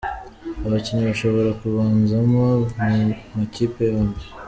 Abakinnyi bashobora kubanzamo mu makipe yombi:.